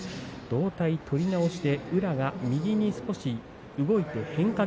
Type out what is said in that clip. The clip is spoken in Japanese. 同体取り直しで宇良が右に動いて変化